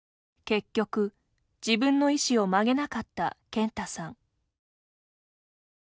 結局、自分の意志を曲げなかった健太さん。